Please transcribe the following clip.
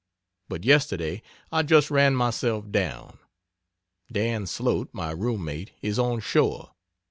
But yesterday I just ran myself down. Dan Slote, my room mate, is on shore.